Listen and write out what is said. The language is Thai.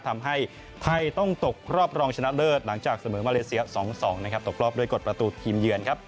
ทำให้ไทยต้องตกรอบรองชนะเลิศหลังจากเสมอมาเลเซีย๒๒นะครับตกรอบด้วยกฎประตูทีมเยือนครับ